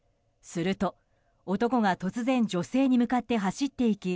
すると男が突然女性に向かって走っていき